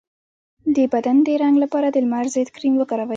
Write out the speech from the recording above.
د بدن د رنګ لپاره د لمر ضد کریم وکاروئ